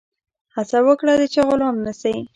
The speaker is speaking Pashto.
هڅه وکړه د چا غلام نه سي.